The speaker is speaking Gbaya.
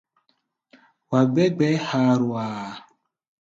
Wá̧á̧ gbɛ̧́ gbɛ̧ɛ̧́ ha̧a̧rua̧a̧.